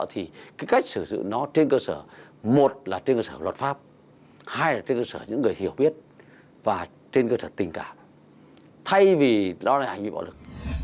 thì cái cách xử nó trên cơ sở một là trên cơ sở luật pháp hai là trên cơ sở những người hiểu biết và trên cơ sở tình cảm thay vì đó là hành vi bạo lực